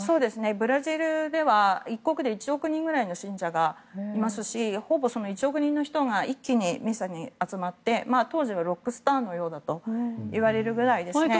ブラジルでは、１国で１億人ぐらいの信者がいますしほぼその１億人の人が一気にミサに集まって当時はロックスターのようだと言われるぐらいですね。